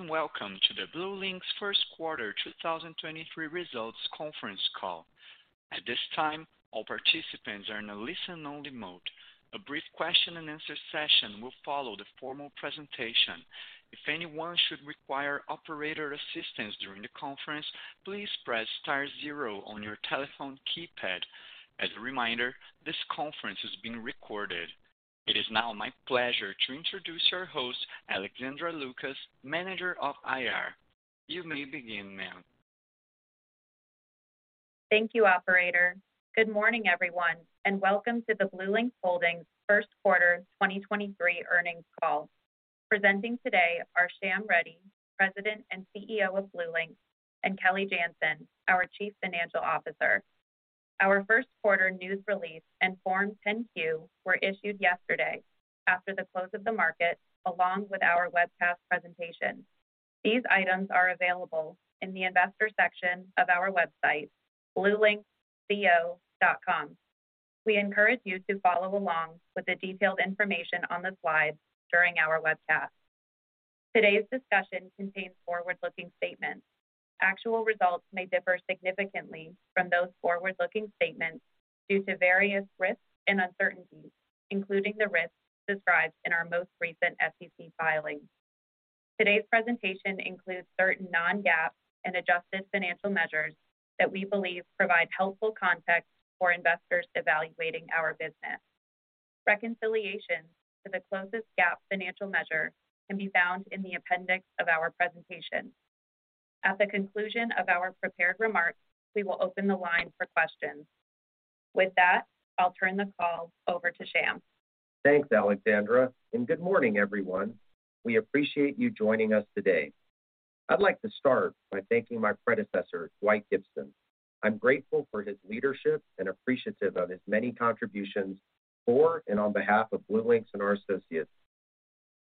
Welcome to the BlueLinx first quarter 2023 results conference call. At this time, all participants are in a listen-only mode. A brief question-and-answer session will follow the formal presentation. If anyone should require operator assistance during the conference, please press star zero on your telephone keypad. As a reminder, this conference is being recorded. It is now my pleasure to introduce our host, Alexandra Lucas, Manager of IR. You may begin, ma'am. Thank you, operator. Good morning, everyone, and welcome to the BlueLinx Holdings first quarter 2023 earnings call. Presenting today are Shyam Reddy, President and CEO of BlueLinx, and Kelly Janzen, our Chief Financial Officer. Our first quarter news release and Form 10-Q were issued yesterday after the close of the market, along with our webcast presentation. These items are available in the investor section of our website, bluelinxco.com. We encourage you to follow along with the detailed information on the slides during our webcast. Today's discussion contains forward-looking statements. Actual results may differ significantly from those forward-looking statements due to various risks and uncertainties, including the risks described in our most recent SEC filings. Today's presentation includes certain non-GAAP and adjusted financial measures that we believe provide helpful context for investors evaluating our business. Reconciliation to the closest GAAP financial measure can be found in the appendix of our presentation. At the conclusion of our prepared remarks, we will open the line for questions. With that, I'll turn the call over to Shyam. Thanks, Alexandra. Good morning, everyone. We appreciate you joining us today. I'd like to start by thanking my predecessor, Dwight Gibson. I'm grateful for his leadership and appreciative of his many contributions for and on behalf of BlueLinx and our associates.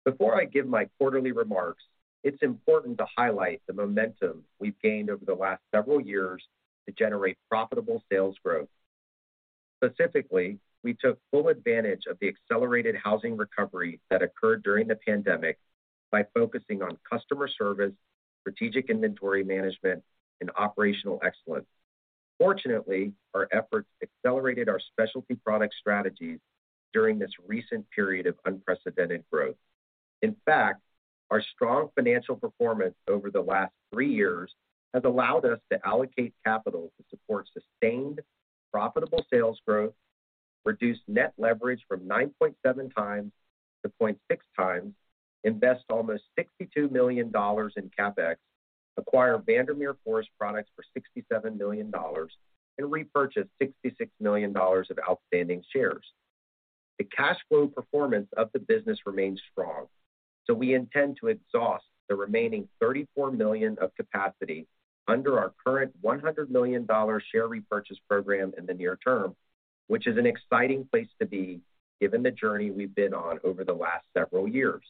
Before I give my quarterly remarks, it's important to highlight the momentum we've gained over the last several years to generate profitable sales growth. Specifically, we took full advantage of the accelerated housing recovery that occurred during the pandemic by focusing on customer service, strategic inventory management, and operational excellence. Fortunately, our efforts accelerated our specialty product strategies during this recent period of unprecedented growth. In fact, our strong financial performance over the last three years has allowed us to allocate capital to support sustained profitable sales growth, reduce net leverage from 9.7x to 0.6x, invest almost $62 million in CapEx, acquire Vandermeer Forest Products for $67 million, and repurchase $66 million of outstanding shares. We intend to exhaust the remaining $34 million of capacity under our current $100 million share repurchase program in the near term, which is an exciting place to be given the journey we've been on over the last several years.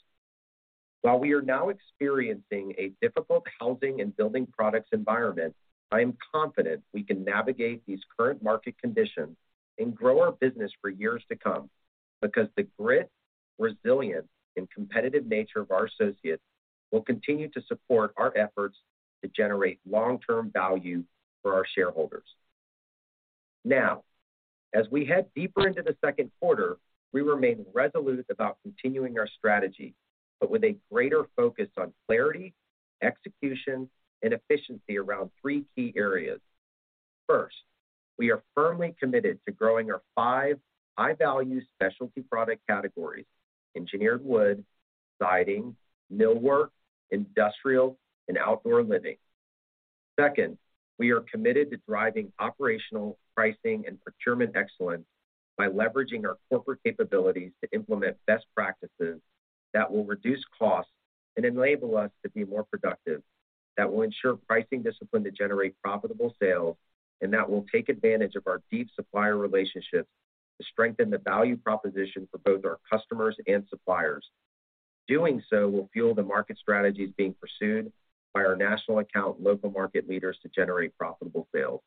While we are now experiencing a difficult housing and building products environment, I am confident we can navigate these current market conditions and grow our business for years to come because the grit, resilience, and competitive nature of our associates will continue to support our efforts to generate long-term value for our shareholders. As we head deeper into the second quarter, we remain resolute about continuing our strategy, but with a greater focus on clarity, execution, and efficiency around three key areas. First, we are firmly committed to growing our five high-value specialty product categories: engineered wood, siding, millwork, industrial, and outdoor living. Second, we are committed to driving operational, pricing, and procurement excellence by leveraging our corporate capabilities to implement best practices that will reduce costs and enable us to be more productive, that will ensure pricing discipline to generate profitable sales, and that will take advantage of our deep supplier relationships to strengthen the value proposition for both our customers and suppliers. Doing so will fuel the market strategies being pursued by our national account local market leaders to generate profitable sales.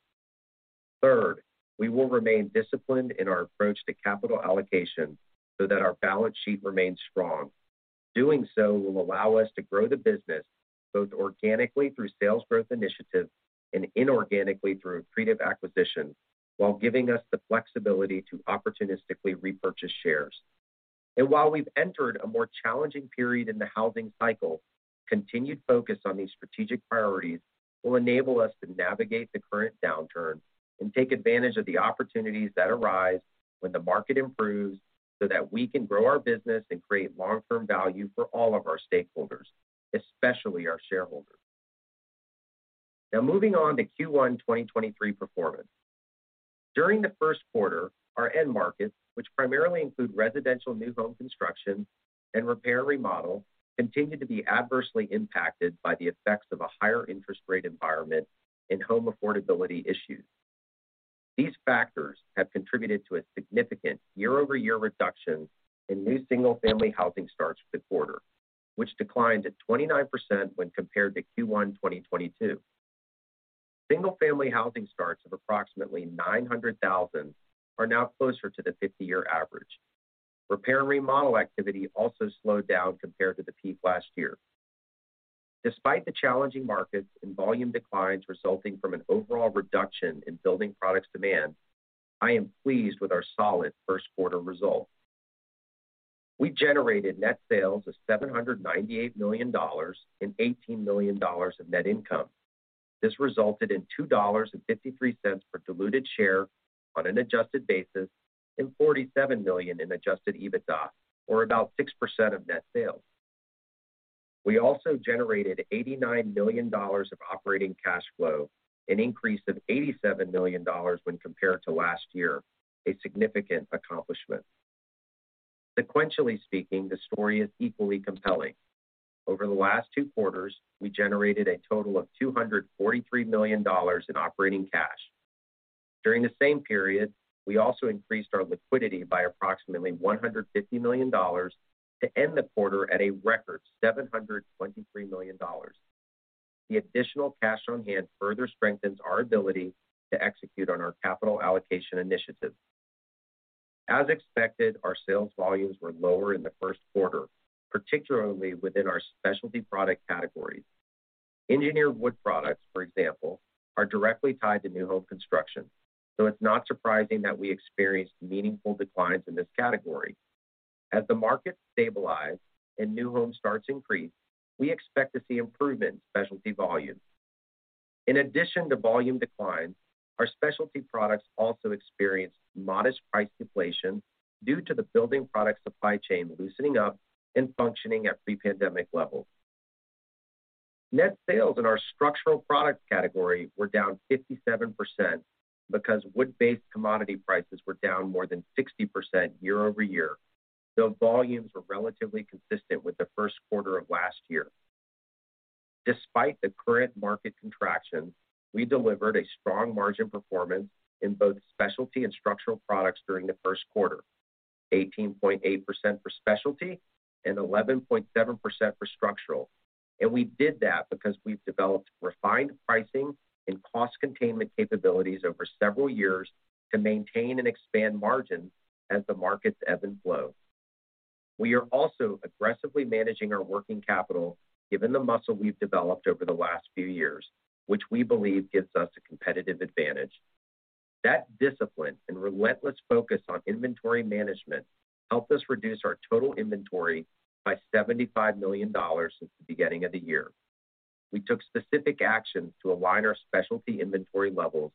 Third, we will remain disciplined in our approach to capital allocation so that our balance sheet remains strong. Doing so will allow us to grow the business both organically through sales growth initiatives and inorganically through accretive acquisitions while giving us the flexibility to opportunistically repurchase shares. While we've entered a more challenging period in the housing cycle, continued focus on these strategic priorities will enable us to navigate the current downturn and take advantage of the opportunities that arise when the market improves so that we can grow our business and create long-term value for all of our stakeholders, especially our shareholders. Now moving on to Q1 2023 performance. During the first quarter, our end markets, which primarily include residential new home construction and repair remodel, continued to be adversely impacted by the effects of a higher interest rate environment and home affordability issues. These factors have contributed to a significant year-over-year reduction in new single-family housing starts for the quarter, which declined to 29% when compared to Q1 2022. Single-family housing starts of approximately 900,000 are now closer to the 50-year average. Repair and remodel activity also slowed down compared to the peak last year. Despite the challenging markets and volume declines resulting from an overall reduction in building products demand, I am pleased with our solid first quarter results. We generated net sales of $798 million and $18 million of net income. This resulted in $2.53 per diluted share on an adjusted basis, and $47 million in Adjusted EBITDA, or about 6% of net sales. We also generated $89 million of operating cash flow, an increase of $87 million when compared to last year, a significant accomplishment. Sequentially speaking, the story is equally compelling. Over the last two quarters, we generated a total of $243 million in operating cash. During the same period, we also increased our liquidity by approximately $150 million to end the quarter at a record $723 million. The additional cash on hand further strengthens our ability to execute on our capital allocation initiative. As expected, our sales volumes were lower in the first quarter, particularly within our specialty product categories. Engineered wood products, for example, are directly tied to new home construction, so it's not surprising that we experienced meaningful declines in this category. As the market stabilize and new home starts increase, we expect to see improvement in specialty volumes. In addition to volume declines, our specialty products also experienced modest price deflation due to the building product supply chain loosening up and functioning at pre-pandemic levels. Net sales in our structural product category were down 57% because wood-based commodity prices were down more than 60% year-over-year. Volumes were relatively consistent with the first quarter of last year. Despite the current market contractions, we delivered a strong margin performance in both specialty and structural products during the first quarter. 18.8% for specialty, 11.7% for structural. We did that because we've developed refined pricing and cost containment capabilities over several years to maintain and expand margins as the markets ebb and flow. We are also aggressively managing our working capital given the muscle we've developed over the last few years, which we believe gives us a competitive advantage. That discipline and relentless focus on inventory management helped us reduce our total inventory by $75 million since the beginning of the year. We took specific actions to align our specialty inventory levels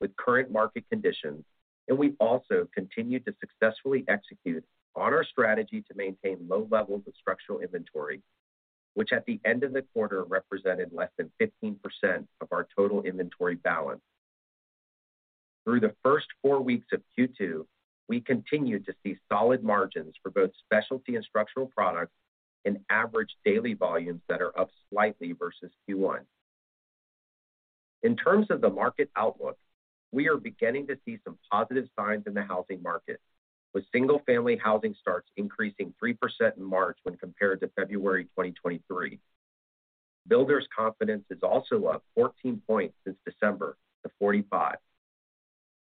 with current market conditions. We also continued to successfully execute on our strategy to maintain low levels of structural inventory, which at the end of the quarter represented less than 15% of our total inventory balance. Through the first four weeks of Q2, we continued to see solid margins for both specialty and structural products and average daily volumes that are up slightly versus Q1. In terms of the market outlook, we are beginning to see some positive signs in the housing market, with single-family housing starts increasing 3% in March when compared to February 2023. Builders' confidence is also up 14 points since December to 45.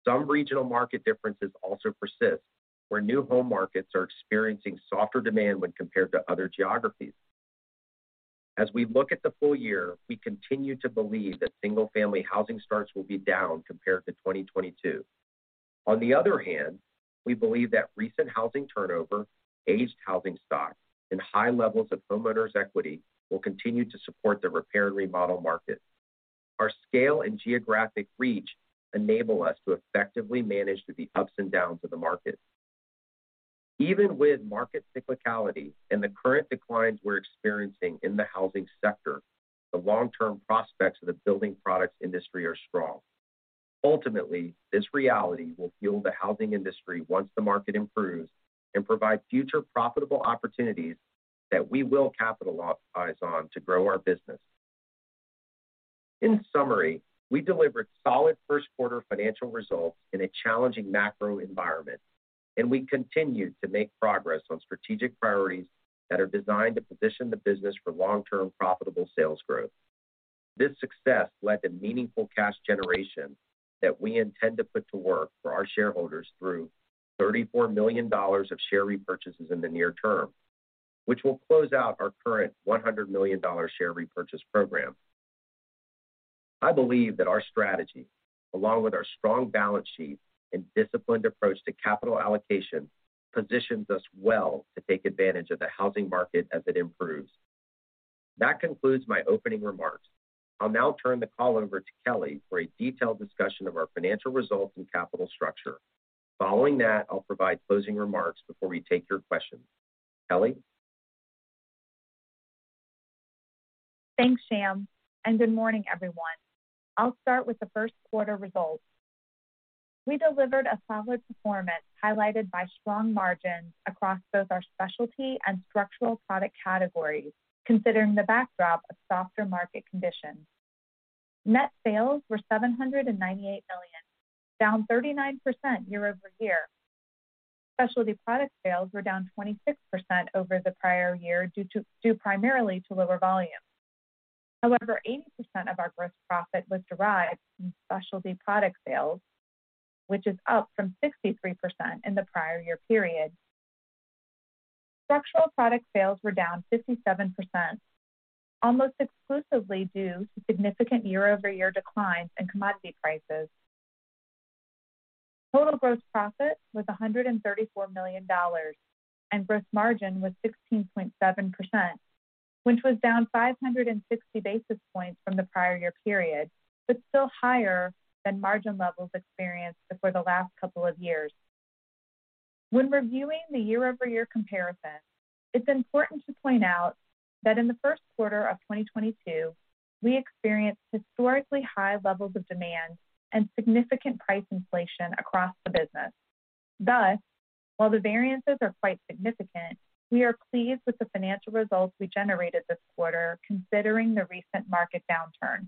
Some regional market differences also persist, where new home markets are experiencing softer demand when compared to other geographies. As we look at the full year, we continue to believe that single-family housing starts will be down compared to 2022. On the other hand, we believe that recent housing turnover, aged housing stock, and high levels of homeowners' equity will continue to support the repair and remodel market. Our scale and geographic reach enable us to effectively manage the ups and downs of the market. Even with market cyclicality and the current declines we're experiencing in the housing sector, the long-term prospects of the building products industry are strong. Ultimately, this reality will fuel the housing industry once the market improves and provide future profitable opportunities that we will capitalize on to grow our business. In summary, we delivered solid first quarter financial results in a challenging macro environment, we continued to make progress on strategic priorities that are designed to position the business for long-term profitable sales growth. This success led to meaningful cash generation that we intend to put to work for our shareholders through $34 million of share repurchases in the near term, which will close out our current $100 million share repurchase program. I believe that our strategy, along with our strong balance sheet and disciplined approach to capital allocation, positions us well to take advantage of the housing market as it improves. That concludes my opening remarks. I'll now turn the call over to Kelly for a detailed discussion of our financial results and capital structure. Following that, I'll provide closing remarks before we take your questions. Kelly? Thanks, Shyam, good morning, everyone. I'll start with the first quarter results. We delivered a solid performance highlighted by strong margins across both our specialty and structural product categories, considering the backdrop of softer market conditions. Net sales were $798 million, down 39% year-over-year. Specialty product sales were down 26% over the prior year due primarily to lower volume. 80% of our gross profit was derived from specialty product sales, which is up from 63% in the prior year period. Structural product sales were down 57%, almost exclusively due to significant year-over-year declines in commodity prices. Total gross profit was $134 million, Gross margin was 16.7%, which was down 560 basis points from the prior year period, Still higher than margin levels experienced before the last couple of years. When reviewing the year-over-year comparison, it's important to point out that in the first quarter of 2022, we experienced historically high levels of demand and significant price inflation across the business. While the variances are quite significant, we are pleased with the financial results we generated this quarter considering the recent market downturn.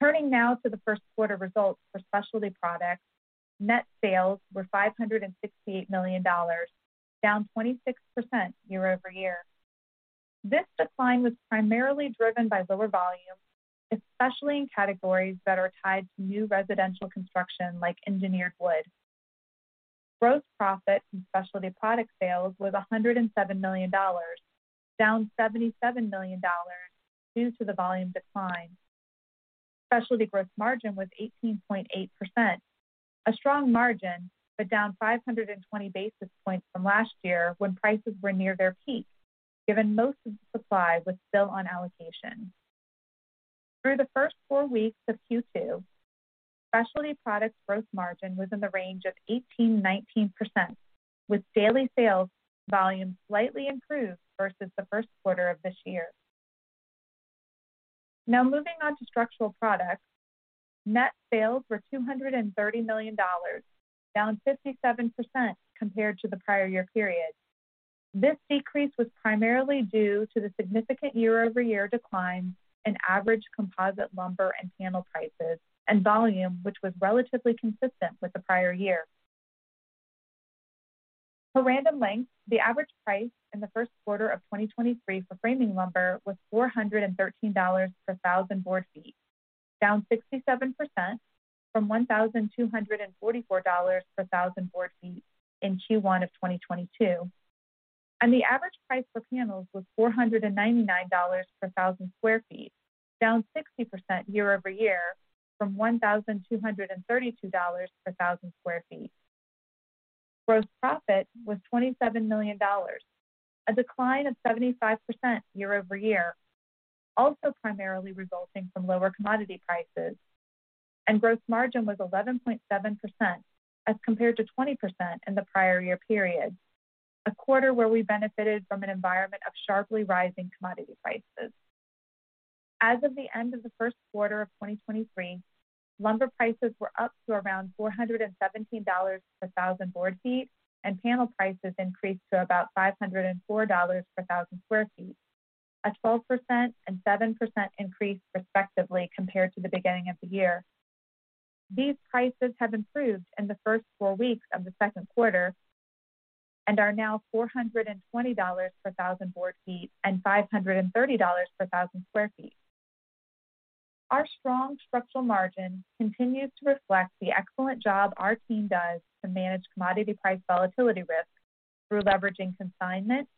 Turning now to the first quarter results for specialty products, net sales were $568 million, down 26% year-over-year. This decline was primarily driven by lower volume, especially in categories that are tied to new residential construction like engineered wood. Gross profit from specialty product sales was $107 million, down $77 million due to the volume decline. Specialty gross margin was 18.8%, a strong margin, but down 520 basis points from last year when prices were near their peak, given most of the supply was still on allocation. Through the first four weeks of Q2, specialty products gross margin was in the range of 18%-19%, with daily sales volume slightly improved versus the first quarter of this year. Moving on to structural products. Net sales were $230 million, down 57% compared to the prior year period. This decrease was primarily due to the significant year-over-year declines in average composite lumber and panel prices and volume, which was relatively consistent with the prior year. For Random Lengths, the average price in the first quarter of 2023 for framing lumber was $413 per thousand board feet, down 67% from $1,244 per thousand board feet in Q-one of 2022. The average price for panels was $499 per thousand sq ft, down 60% year-over-year from $1,232 per thousand sq ft. Gross profit was $27 million, a decline of 75% year-over-year, also primarily resulting from lower commodity prices. Gross margin was 11.7% as compared to 20% in the prior year period, a quarter where we benefited from an environment of sharply rising commodity prices. As of the end of the first quarter of 2023, lumber prices were up to around $417 per 1,000 board feet, panel prices increased to about $504 per 1,000 sq ft, a 12% and 7% increase, respectively, compared to the beginning of the year. These prices have improved in the first four weeks of the second quarter and are now $420 per 1,000 board feet and $530 per 1,000 sq ft. Our strong structural margin continues to reflect the excellent job our team does to manage commodity price volatility risk through leveraging consignment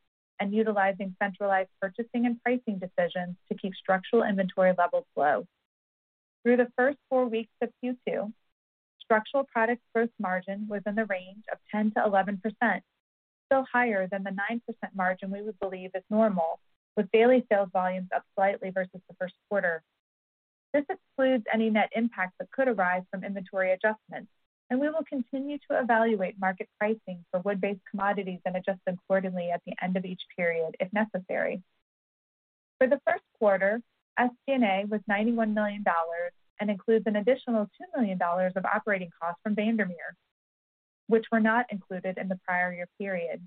and utilizing centralized purchasing and pricing decisions to keep structural inventory levels low. Through the first four weeks of Q2, structural products gross margin was in the range of 10%-11%, still higher than the 9% margin we would believe is normal, with daily sales volumes up slightly versus the first quarter. This excludes any net impact that could arise from inventory adjustments. We will continue to evaluate market pricing for wood-based commodities and adjust accordingly at the end of each period if necessary. For the first quarter, SG&A was $91 million and includes an additional $2 million of operating costs from Vandermeer, which were not included in the prior year period.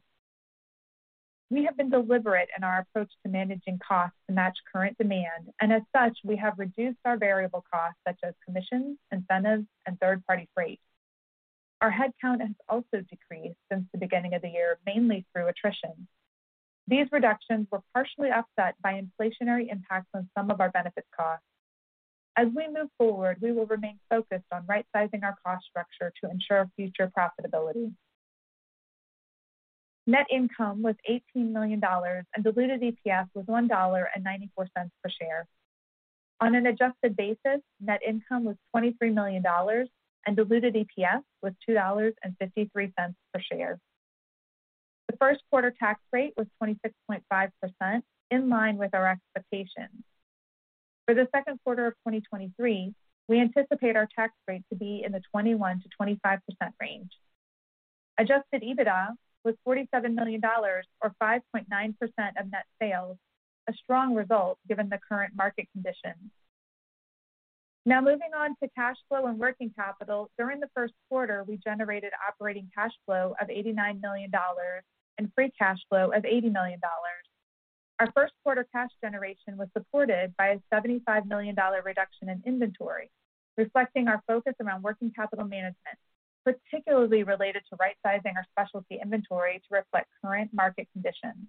We have been deliberate in our approach to managing costs to match current demand. As such, we have reduced our variable costs such as commissions, incentives, and third-party freight. Our headcount has also decreased since the beginning of the year, mainly through attrition. These reductions were partially offset by inflationary impacts on some of our benefits costs. As we move forward, we will remain focused on right-sizing our cost structure to ensure future profitability. Net income was $18 million, and diluted EPS was $1.94 per share. On an adjusted basis, net income was $23 million and diluted EPS was $2.53 per share. The first quarter tax rate was 26.5%, in line with our expectations. For the second quarter of 2023, we anticipate our tax rate to be in the 21%-25% range. Adjusted EBITDA was $47 million or 5.9% of net sales, a strong result given the current market conditions. Now moving on to cash flow and working capital. During the first quarter, we generated operating cash flow of $89 million and free cash flow of $80 million. Our first quarter cash generation was supported by a $75 million reduction in inventory, reflecting our focus around working capital management, particularly related to rightsizing our specialty inventory to reflect current market conditions.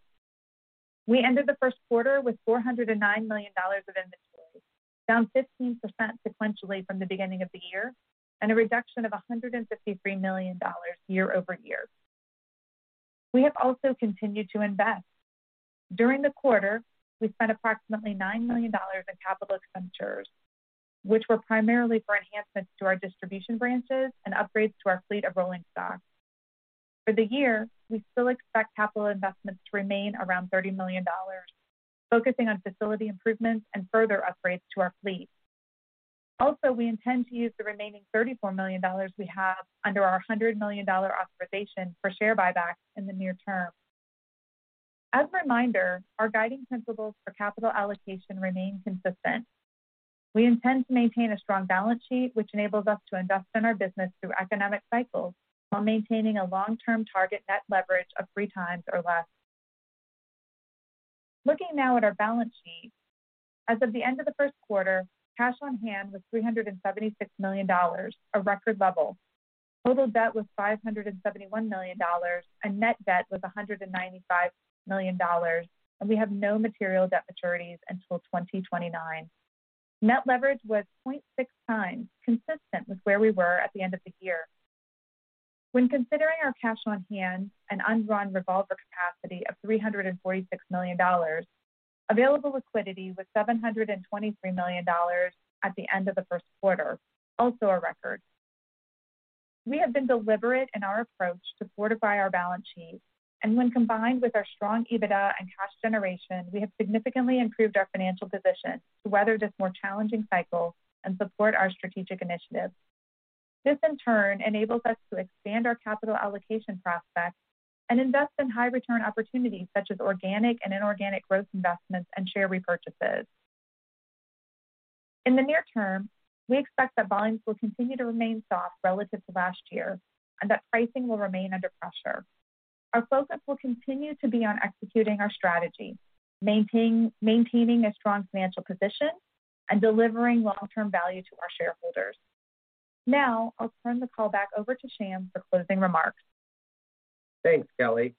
We ended the first quarter with $409 million of inventory, down 15% sequentially from the beginning of the year, and a reduction of $153 million year-over-year. We have also continued to invest. During the quarter, we spent approximately $9 million in capital expenditures, which were primarily for enhancements to our distribution branches and upgrades to our fleet of rolling stock. For the year, we still expect capital investments to remain around $30 million, focusing on facility improvements and further upgrades to our fleet. Also, we intend to use the remaining $34 million we have under our $100 million authorization for share buybacks in the near term. As a reminder, our guiding principles for capital allocation remain consistent. We intend to maintain a strong balance sheet, which enables us to invest in our business through economic cycles while maintaining a long-term target net leverage of 3x or less. Looking now at our balance sheet, as of the end of the first quarter, cash on hand was $376 million, a record level. Total debt was $571 million, and net debt was $195 million, and we have no material debt maturities until 2029. Net leverage was 0.6x, consistent with where we were at the end of the year. When considering our cash on hand and undrawn revolver capacity of $346 million, available liquidity was $723 million at the end of the first quarter, also a record. We have been deliberate in our approach to fortify our balance sheet. When combined with our strong EBITDA and cash generation, we have significantly improved our financial position to weather this more challenging cycle and support our strategic initiatives. This, in turn, enables us to expand our capital allocation prospects and invest in high return opportunities such as organic and inorganic growth investments and share repurchases. In the near term, we expect that volumes will continue to remain soft relative to last year and that pricing will remain under pressure. Our focus will continue to be on executing our strategy, maintaining a strong financial position and delivering long-term value to our shareholders. Now I'll turn the call back over to Shyam for closing remarks. Thanks, Kelly.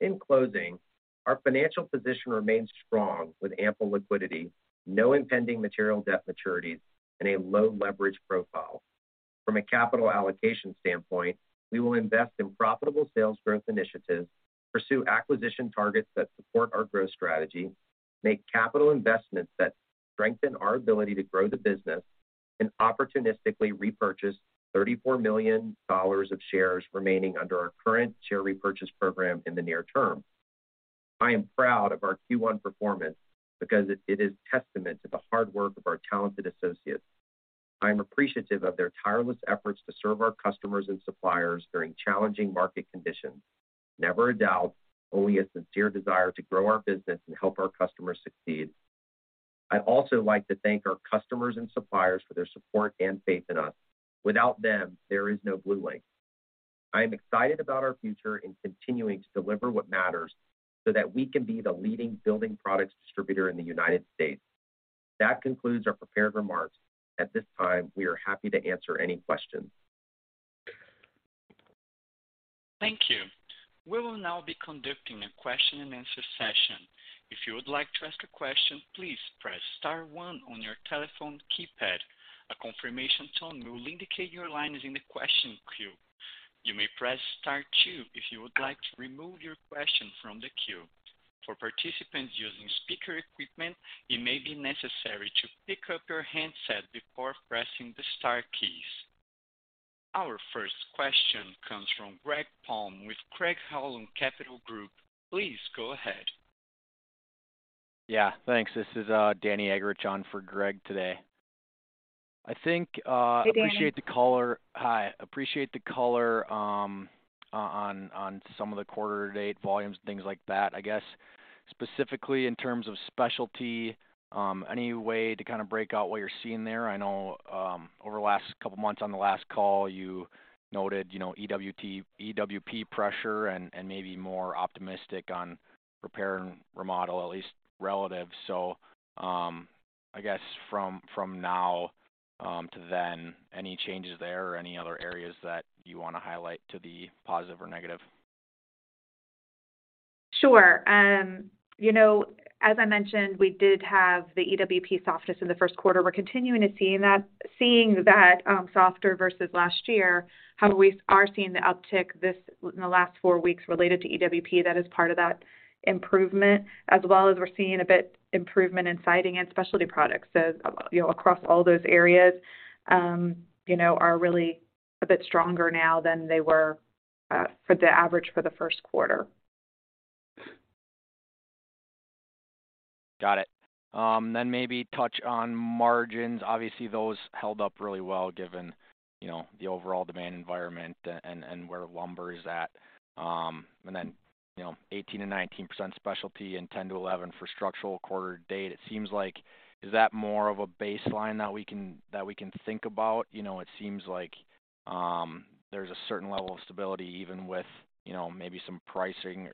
In closing, our financial position remains strong with ample liquidity, no impending material debt maturities, and a low leverage profile. From a capital allocation standpoint, we will invest in profitable sales growth initiatives, pursue acquisition targets that support our growth strategy, make capital investments that strengthen our ability to grow the business, and opportunistically repurchase $34 million of shares remaining under our current share repurchase program in the near term. I am proud of our Q1 performance because it is testament to the hard work of our talented associates. I am appreciative of their tireless efforts to serve our customers and suppliers during challenging market conditions. Never a doubt, only a sincere desire to grow our business and help our customers succeed. I'd also like to thank our customers and suppliers for their support and faith in us. Without them, there is no BlueLinx. I am excited about our future in continuing to deliver what matters so that we can be the leading building products distributor in the United States. That concludes our prepared remarks. At this time, we are happy to answer any questions. Thank you. We will now be conducting a question and answer session. If you would like to ask a question, please press star one on your telephone keypad. A confirmation tone will indicate your line is in the question queue. You may press star two if you would like to remove your question from the queue. For participants using speaker equipment, it may be necessary to pick up your handset before pressing the star keys. Our first question comes from Greg Palm with Craig-Hallum Capital Group. Please go ahead. Yeah, thanks. This is Danny Eggerichs on for Greg today. I think. Hey, Danny. Appreciate the color. Hi. Appreciate the color, on some of the quarter to date volumes and things like that. I guess specifically in terms of specialty, any way to kind of break out what you're seeing there? I know, over the last couple of months on the last call, you noted, you know, EWP pressure and maybe more optimistic on repair and remodel, at least relative. I guess from now to then, any changes there or any other areas that you wanna highlight to be positive or negative? Sure. you know, as I mentioned, we did have the EWP softness in the first quarter. We're continuing to seeing that, softer versus last year. However, we are seeing the uptick in the last four weeks related to EWP that is part of that improvement, as well as we're seeing a bit improvement in siding and specialty products. you know, across all those areas, you know, are really a bit stronger now than they were for the average for the first quarter. Got it. Maybe touch on margins. Obviously, those held up really well, given, you know, the overall demand environment and where lumber is at. You know, 18%-19% specialty and 10%-11% for structural quarter to date. It seems like is that more of a baseline that we can, that we can think about? You know, it seems like, there's a certain level of stability even with You know, maybe some pricing,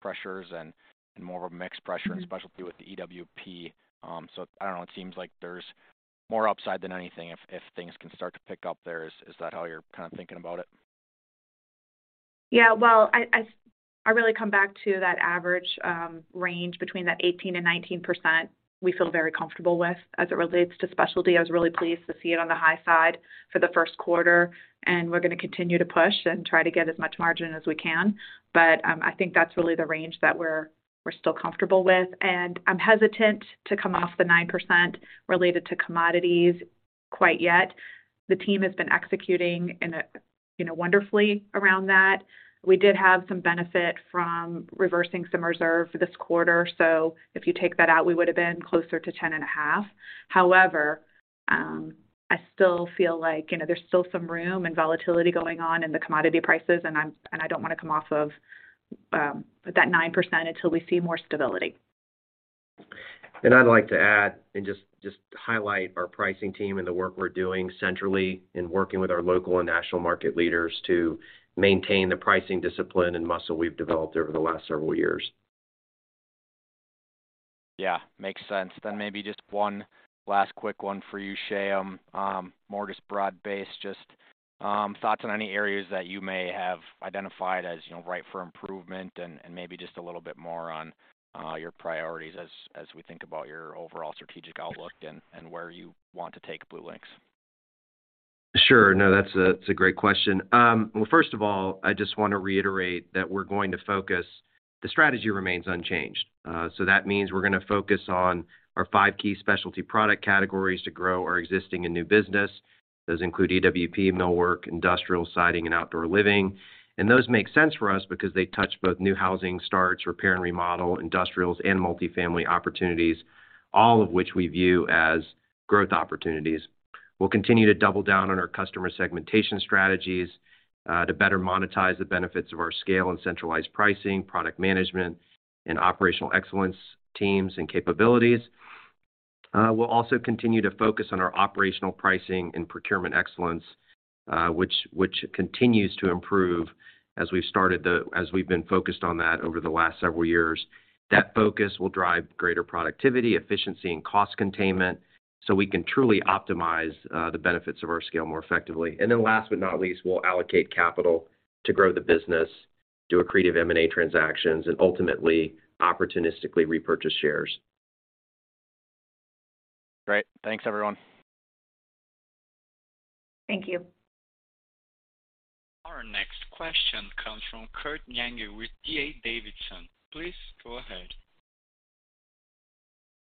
pressures and more of a mix pressure... Mm-hmm... especially with the EWP. I don't know, it seems like there's more upside than anything if things can start to pick up there. Is that how you're kind of thinking about it? I really come back to that average range between that 18%-19% we feel very comfortable with as it relates to specialty. I was really pleased to see it on the high side for the 1st quarter, we're gonna continue to push and try to get as much margin as we can. I think that's really the range that we're still comfortable with. I'm hesitant to come off the 9% related to commodities quite yet. The team has been executing in a, you know, wonderfully around that. We did have some benefit from reversing some reserve for this quarter. If you take that out, we would've been closer to 10.5%. I still feel like, you know, there's still some room and volatility going on in the commodity prices, and I don't wanna come off of that 9% until we see more stability. I'd like to add and just highlight our pricing team and the work we're doing centrally in working with our local and national market leaders to maintain the pricing discipline and muscle we've developed over the last several years. Yeah. Makes sense. Maybe just one last quick one for you, Shyam. More just broad-based thoughts on any areas that you may have identified as, you know, ripe for improvement and maybe just a little bit more on your priorities as we think about your overall strategic outlook and where you want to take BlueLinx. Sure. No, that's a, that's a great question. Well, first of all, I just wanna reiterate that we're going to focus... The strategy remains unchanged. That means we're gonna focus on our 5 key specialty product categories to grow our existing and new business. Those include EWP, millwork, industrial, siding, and outdoor living. Those make sense for us because they touch both new housing starts, repair and remodel, industrials, and multifamily opportunities, all of which we view as growth opportunities. We'll continue to double down on our customer segmentation strategies, to better monetize the benefits of our scale and centralized pricing, product management, and operational excellence teams and capabilities. We'll also continue to focus on our operational pricing and procurement excellence, which continues to improve as we've been focused on that over the last several years. That focus will drive greater productivity, efficiency, and cost containment, so we can truly optimize the benefits of our scale more effectively. Last but not least, we'll allocate capital to grow the business, do accretive M&A transactions, and ultimately, opportunistically repurchase shares. Great. Thanks, everyone. Thank you. Our next question comes from Kurt Yinger with D.A. Davidson. Please go ahead.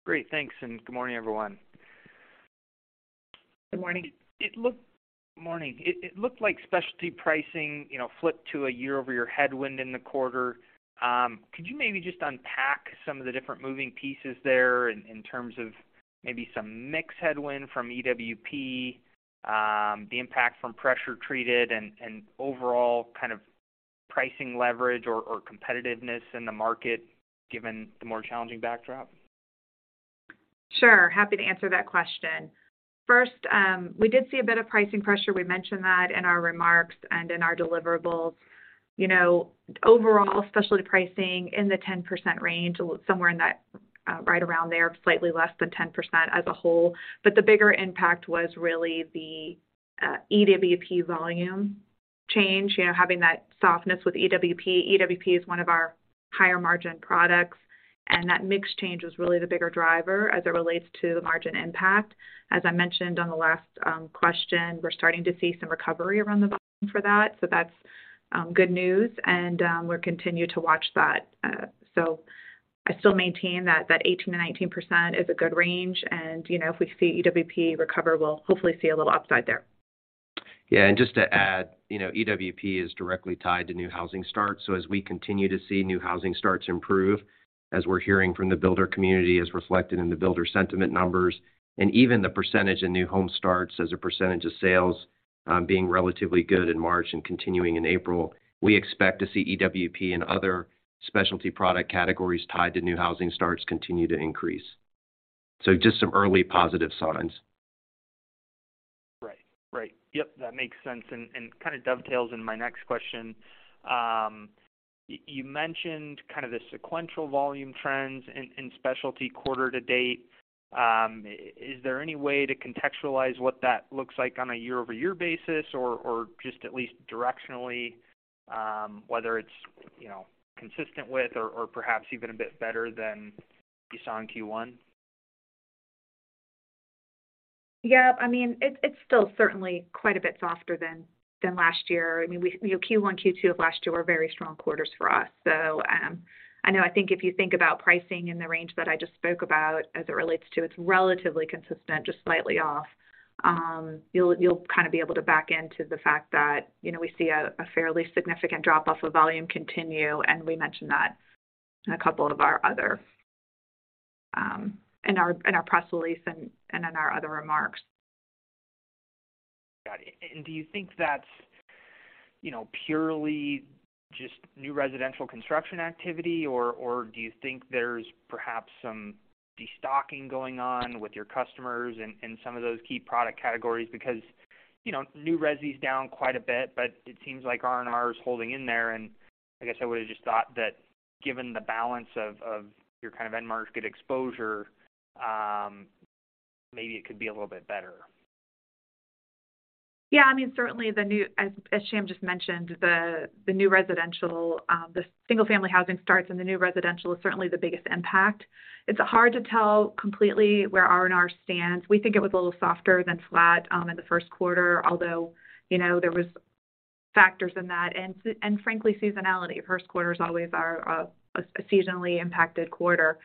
Great. Thanks, and good morning, everyone. Good morning. Morning. It looked like specialty pricing, you know, flipped to a year-over-year headwind in the quarter. Could you maybe just unpack some of the different moving pieces there in terms of maybe some mix headwind from EWP, the impact from pressure treated and overall kind of pricing leverage or competitiveness in the market given the more challenging backdrop? Sure. Happy to answer that question. First, we did see a bit of pricing pressure. We mentioned that in our remarks and in our deliverables. You know, overall, specialty pricing in the 10% range, a little somewhere in that, right around there, slightly less than 10% as a whole. The bigger impact was really the EWP volume change, you know, having that softness with EWP. EWP is one of our higher margin products, and that mix change was really the bigger driver as it relates to the margin impact. As I mentioned on the last question, we're starting to see some recovery around the volume for that, so that's good news, and we'll continue to watch that. I still maintain that 18%-19% is a good range and, you know, if we see EWP recover, we'll hopefully see a little upside there. Yeah. Just to add, you know, EWP is directly tied to new housing starts. As we continue to see new housing starts improve, as we're hearing from the builder community as reflected in the builder sentiment numbers, and even the percentage in new home starts as a percentage of sales, being relatively good in March and continuing in April, we expect to see EWP and other specialty product categories tied to new housing starts continue to increase. Just some early positive signs. Right. Right. Yep, that makes sense and kinda dovetails in my next question. You mentioned kind of the sequential volume trends in specialty quarter to date. Is there any way to contextualize what that looks like on a year-over-year basis or just at least directionally, you know, whether it's consistent with or perhaps even a bit better than you saw in Q1? Yeah. I mean, it's still certainly quite a bit softer than last year. I mean, you know, Q1, Q2 of last year were very strong quarters for us. I know, I think if you think about pricing in the range that I just spoke about as it relates to, it's relatively consistent, just slightly off. You'll kinda be able to back into the fact that, you know, we see a fairly significant drop-off of volume continue, and we mentioned that in a couple of our other In our press release and in our other remarks. Got it. Do you think that's, you know, purely just new residential construction activity, or do you think there's perhaps some destocking going on with your customers in some of those key product categories? You know, new resi's down quite a bit, but it seems like R&R is holding in there. I guess I would have just thought that given the balance of your kind of end market exposure, maybe it could be a little bit better. Yeah, I mean, certainly the new as Shyam just mentioned, the new residential, the single-family housing starts in the new residential is certainly the biggest impact. It's hard to tell completely where R&R stands. We think it was a little softer than flat in the first quarter, although, you know, there was factors in that. Frankly, seasonality. First quarters always are a seasonally impacted quarter.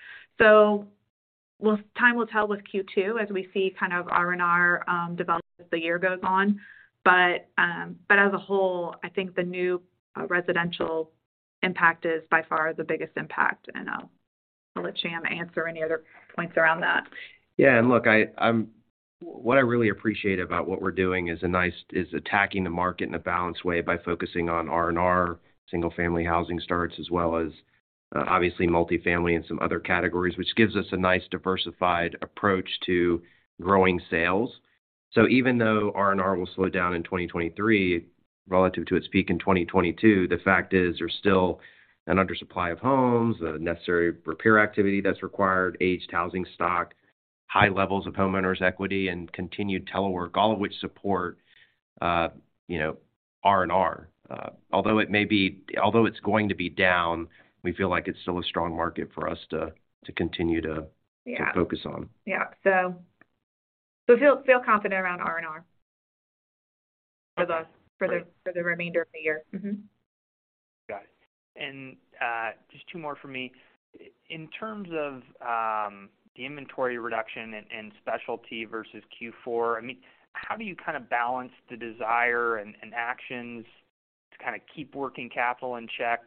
Time will tell with Q2 as we see kind of R&R develop as the year goes on. As a whole, I think the new residential impact is by far the biggest impact. I'll let Shyam answer any other points around that. Yeah. Look, what I really appreciate about what we're doing is attacking the market in a balanced way by focusing on R&R, single-family housing starts, as well as, obviously multifamily and some other categories, which gives us a nice diversified approach to growing sales. Even though R&R will slow down in 2023 relative to its peak in 2022, the fact is there's still an under supply of homes, the necessary repair activity that's required, aged housing stock, high levels of homeowners equity, and continued telework, all of which support, you know, R&R. Although it's going to be down, we feel like it's still a strong market for us to continue to- Yeah to focus on. Yeah. feel confident around R&R. Great for the remainder of the year. Mm-hmm. Got it. Just two more for me. In terms of the inventory reduction and specialty versus Q4, I mean, how do you kind of balance the desire and actions to kind of keep working capital in check,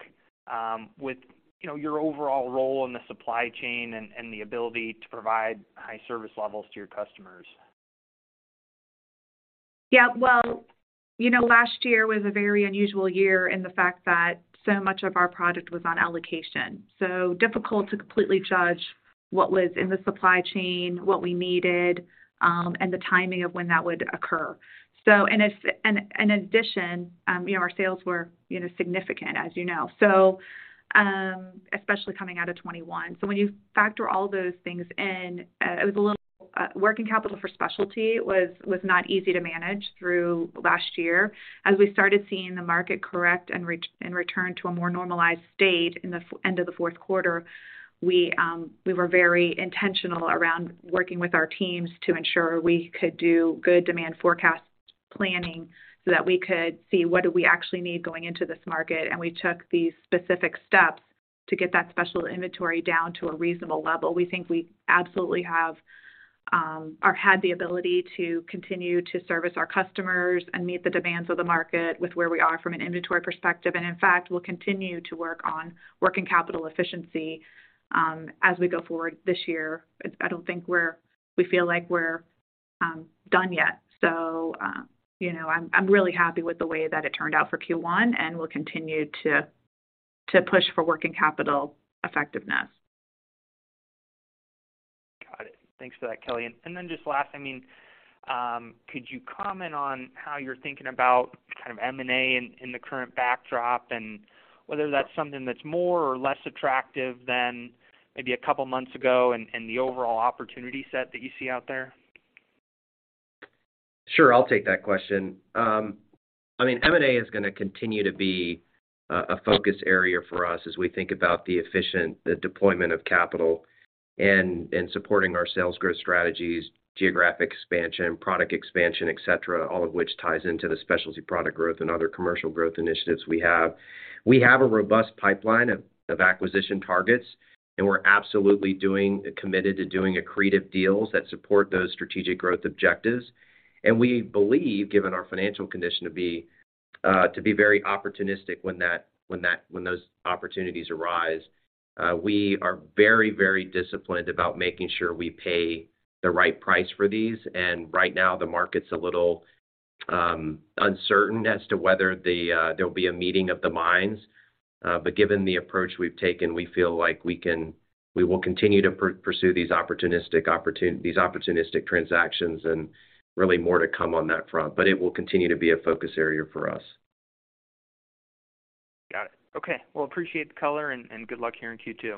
with, you know, your overall role in the supply chain and the ability to provide high service levels to your customers? Yeah. Well, you know, last year was a very unusual year in the fact that so much of our product was on allocation. Difficult to completely judge what was in the supply chain, what we needed, and the timing of when that would occur. In addition, you know, our sales were, you know, significant, as you know. Especially coming out of 2021. When you factor all those things in, it was a little working capital for specialty was not easy to manage through last year. As we started seeing the market correct and return to a more normalized state in the end of the Q4, we were very intentional around working with our teams to ensure we could do good demand forecast planning so that we could see what do we actually need going into this market. We took these specific steps to get that special inventory down to a reasonable level. We think we absolutely have, or had the ability to continue to service our customers and meet the demands of the market with where we are from an inventory perspective. In fact, we'll continue to work on working capital efficiency, as we go forward this year. I don't think we feel like we're done yet. You know, I'm really happy with the way that it turned out for Q1, and we'll continue to push for working capital effectiveness. Got it. Thanks for that, Kelly. Just last, I mean, could you comment on how you're thinking about kind of M&A in the current backdrop and whether that's something that's more or less attractive than maybe a couple of months ago and the overall opportunity set that you see out there? Sure. I'll take that question. I mean, M&A is gonna continue to be a focus area for us as we think about the deployment of capital and supporting our sales growth strategies, geographic expansion, product expansion, et cetera, all of which ties into the specialty product growth and other commercial growth initiatives we have. We have a robust pipeline of acquisition targets, and we're absolutely committed to doing accretive deals that support those strategic growth objectives. We believe, given our financial condition, to be very opportunistic when those opportunities arise. We are very disciplined about making sure we pay the right price for these. Right now, the market's a little uncertain as to whether there'll be a meeting of the minds. Given the approach we've taken, we feel like we will continue to pursue these opportunistic transactions and really more to come on that front. It will continue to be a focus area for us. Got it. Okay. Well, appreciate the color and good luck here in Q2.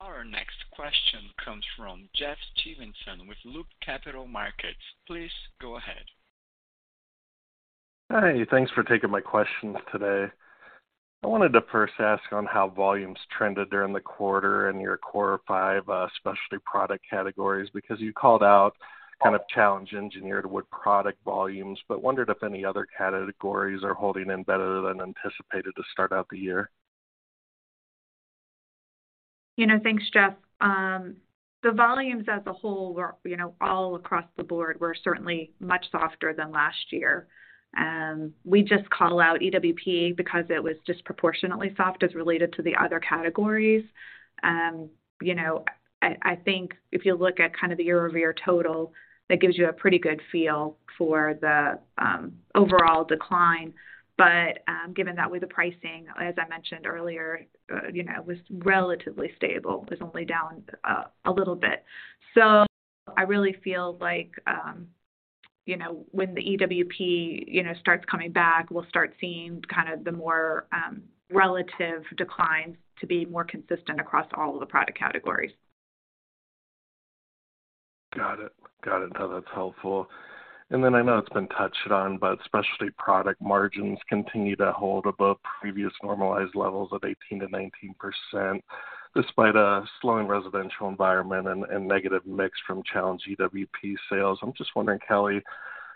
Our next question comes from Jeff Stevenson with Loop Capital Markets. Please go ahead. Hi. Thanks for taking my questions today. I wanted to first ask on how volumes trended during the quarter in your core five specialty product categories, because you called out kind of challenged engineered wood product volumes, but wondered if any other categories are holding in better than anticipated to start out the year. You know, thanks, Jeff. The volumes as a whole were, you know, all across the board certainly much softer than last year. We just call out EWP because it was disproportionately soft as related to the other categories. You know, I think if you look at kind of the year-over-year total, that gives you a pretty good feel for the overall decline. Given that with the pricing, as I mentioned earlier, you know, was relatively stable, was only down a little bit. I really feel like, you know, when the EWP, you know, starts coming back, we'll start seeing kind of the more relative declines to be more consistent across all of the product categories. Got it. No, that's helpful. I know it's been touched on, but specialty product margins continue to hold above previous normalized levels of 18%-19% despite a slowing residential environment and negative mix from challenged EWP sales. I'm just wondering, Kelly,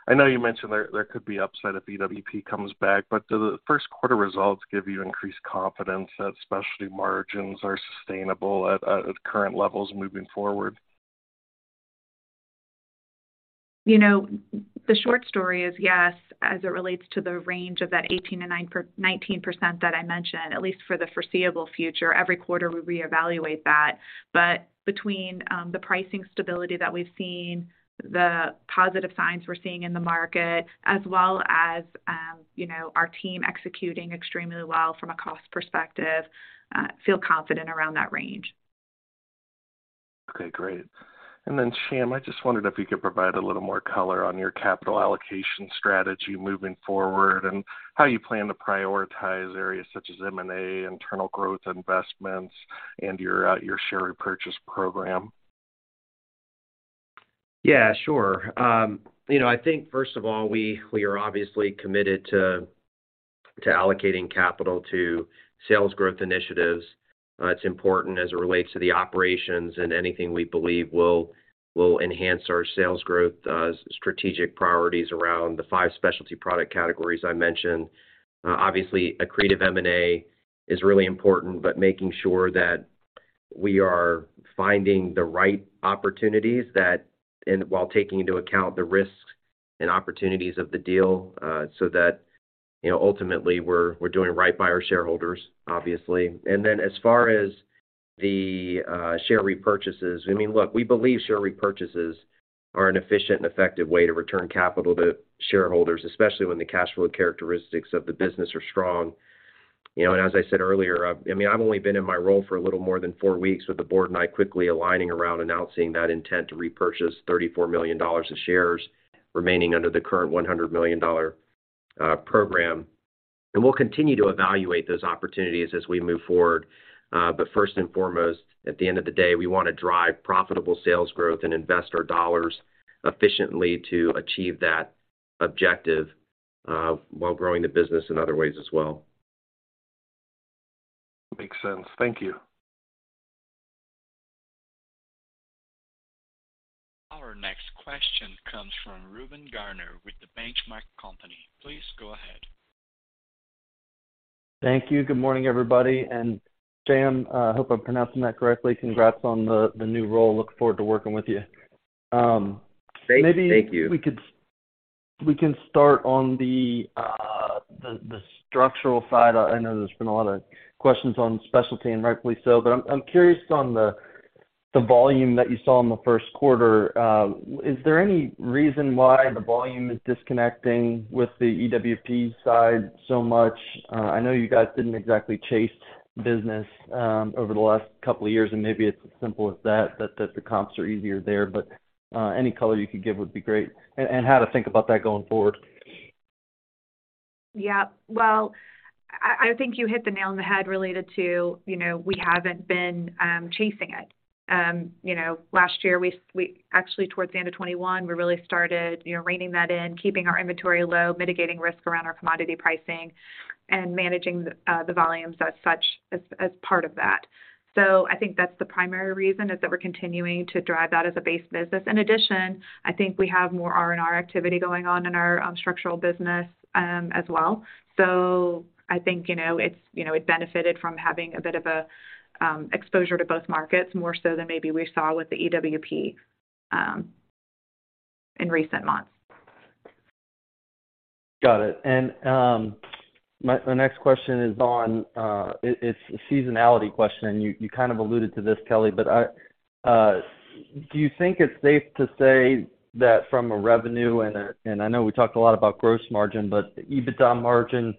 I know you mentioned there could be upside if EWP comes back, but do the first quarter results give you increased confidence that specialty margins are sustainable at current levels moving forward? You know, the short story is, yes, as it relates to the range of that 18%-19% that I mentioned, at least for the foreseeable future. Every quarter we reevaluate that. Between, the pricing stability that we've seen, the positive signs we're seeing in the market, as well as, you know, our team executing extremely well from a cost perspective, feel confident around that range. Okay, great. Shyam, I just wondered if you could provide a little more color on your capital allocation strategy moving forward and how you plan to prioritize areas such as M&A, internal growth investments, and your share repurchase program. Yeah, sure. you know, I think, first of all, we are obviously committed to allocating capital to sales growth initiatives. It's important as it relates to the operations and anything we believe will enhance our sales growth, strategic priorities around the five specialty product categories I mentioned. Obviously, accretive M&A is really important, but making sure that we are finding the right opportunities that... and while taking into account the risks and opportunities of the deal, so that, you know, ultimately we're doing right by our shareholders, obviously. As far as the share repurchases, I mean, look, we believe share repurchases are an efficient and effective way to return capital to shareholders, especially when the cash flow characteristics of the business are strong. You know, as I mean, I've only been in my role for a little more than four weeks, with the board and I quickly aligning around announcing that intent to repurchase $34 million in shares remaining under the current $100 million program. We'll continue to evaluate those opportunities as we move forward. First and foremost, at the end of the day, we wanna drive profitable sales growth and invest our dollars efficiently to achieve that objective, while growing the business in other ways as well. Makes sense. Thank you. Our next question comes from Reuben Garner with The Benchmark Company. Please go ahead. Thank you. Good morning, everybody. Shyam, hope I'm pronouncing that correctly. Congrats on the new role. Look forward to working with you. Thank you. Maybe we can start on the structural side. I know there's been a lot of questions on specialty, and rightfully so, but I'm curious on the volume that you saw in the first quarter. Is there any reason why the volume is disconnecting with the EWP side so much? I know you guys didn't exactly chase business over the last couple of years, and maybe it's as simple as that the comps are easier there. Any color you could give would be great, and how to think about that going forward. Yeah. Well, I think you hit the nail on the head related to, you know, we haven't been chasing it. You know, last year we actually towards the end of 2021, we really started, you know, reining that in, keeping our inventory low, mitigating risk around our commodity pricing, and managing the volumes as such as part of that. I think that's the primary reason is that we're continuing to drive that as a base business. In addition, I think we have more R&R activity going on in our structural business as well. I think, you know, it's, you know, it benefited from having a bit of a exposure to both markets more so than maybe we saw with the EWP in recent months. Got it. My next question is on, it's a seasonality question. You kind of alluded to this, Kelly, but, do you think it's safe to say that from a revenue and I know we talked a lot about gross margin, but EBITDA margin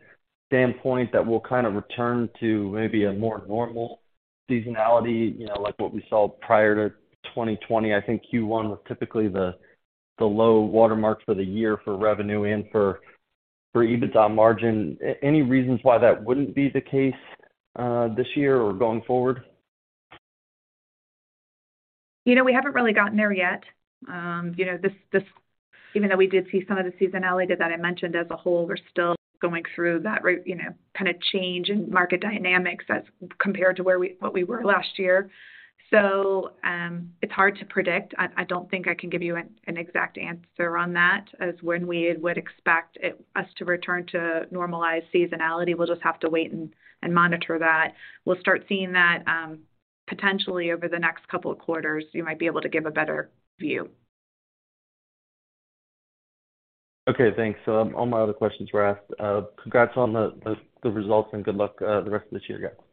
standpoint, that we'll kind of return to maybe a more normal seasonality, you know, like what we saw prior to 2020. I think Q1 was typically the low water mark for the year for revenue and for EBITDA margin. Any reasons why that wouldn't be the case, this year or going forward? You know, we haven't really gotten there yet. You know, even though we did see some of the seasonality that I mentioned as a whole, we're still going through that you know, kinda change in market dynamics as compared to what we were last year. It's hard to predict. I don't think I can give you an exact answer on that as when we would expect us to return to normalized seasonality. We'll just have to wait and monitor that. We'll start seeing that potentially over the next couple of quarters. We might be able to give a better view. Okay, thanks. All my other questions were asked. Congrats on the results, and good luck the rest of this year, guys.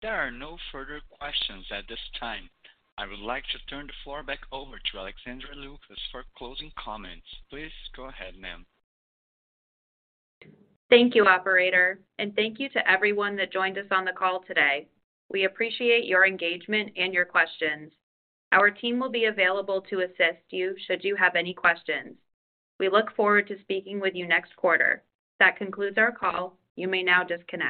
There are no further questions at this time. I would like to turn the floor back over to Alexandra Lucas for closing comments. Please go ahead, ma'am. Thank you, operator. Thank you to everyone that joined us on the call today. We appreciate your engagement and your questions. Our team will be available to assist you should you have any questions. We look forward to speaking with you next quarter. That concludes our call. You may now disconnect.